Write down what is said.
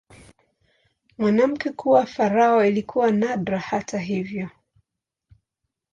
Mwanamke kuwa farao ilikuwa nadra, hata hivyo.